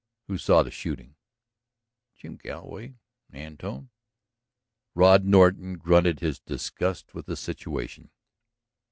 "Who saw the shooting?" "Jim Galloway. And Antone." Rod Norton grunted his disgust with the situation.